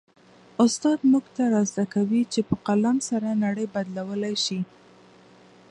استاد موږ ته را زده کوي چي په قلم سره نړۍ بدلولای سي.